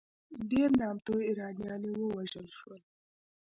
ډېر نامتو ایرانیان ووژل شول.